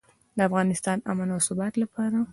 د افغانستان امن او ثبات لپاره.